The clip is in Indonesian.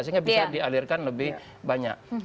sehingga bisa dialirkan lebih banyak